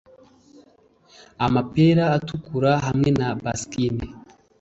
Amapera atukura hamwe na baskine